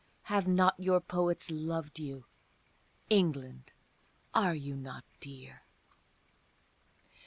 Have not your poets loved you? England, are you not dear?